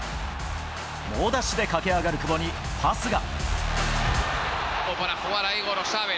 猛ダッシュで駆け上がる久保に、パスが。